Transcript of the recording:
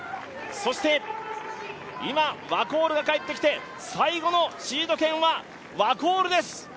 今、ワコールが帰ってきて、最後のシード権はワコールです。